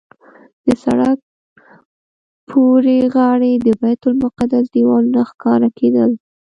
د سړک پورې غاړې د بیت المقدس دیوالونه ښکاره کېدل.